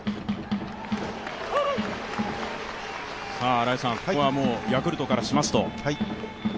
新井さん、ここはヤクルトからしますと？